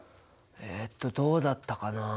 えっとどうだったかな？